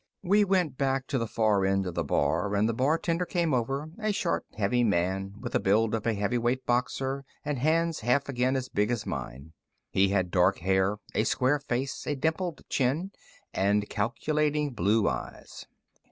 We went back to the far end of the bar, and the bartender came over, a short, heavy man, with the build of a heavyweight boxer and hands half again as big as mine. He had dark hair, a square face, a dimpled chin, and calculating blue eyes.